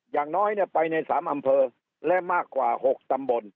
อย่างน้อยเนี่ยไปในสามอำเภอและมากกว่าหกตำบล